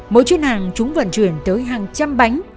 mỗi chuyến hàng chúng vận chuyển tới hàng trăm bánh